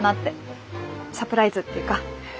サプライズっていうか。